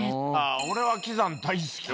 俺は喜山大好き。